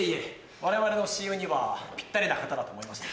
我々のＣＭにはぴったりな方だと思いました。